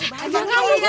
bajang kamu ya